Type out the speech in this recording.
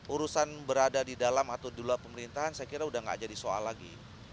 urusan berada di dalam atau di luar pemerintahan saya kira udah gak jadi soal lagi